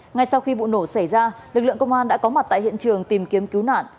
ngay sau khi vụ nổ xảy ra lực lượng công an đã có mặt tại hiện trường tìm kiếm cứu nạn